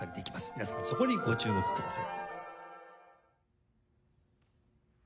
皆さんそこにご注目ください。